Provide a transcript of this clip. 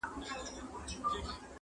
د دې غم لړلي صحنې ننداره کوله -